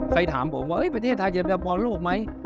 ถามผมว่าประเทศไทยจะไปบอลโลกไหม